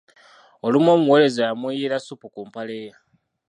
Olumu omuweereza yamuyiira ssupu ku mpale ye.